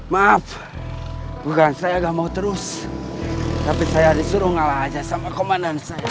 maaf bukan saya nggak mau terus tapi saya disuruh ngalah aja sama komandan saya